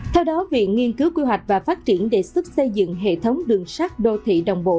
theo đó viện nghiên cứu quy hoạch và phát triển đề xuất xây dựng hệ thống đường sắt đô thị đồng bộ